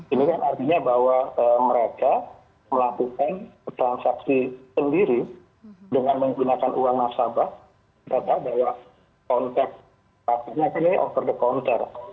ini kan artinya bahwa mereka melakukan transaksi sendiri dengan menggunakan uang nasabah atau bahwa kontak pastinya chocolate